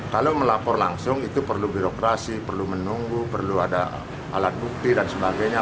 kalau melapor langsung itu perlu birokrasi perlu menunggu perlu ada alat bukti dan sebagainya